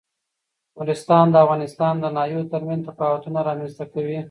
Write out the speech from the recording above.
نورستان د افغانستان د ناحیو ترمنځ تفاوتونه رامنځ ته کوي.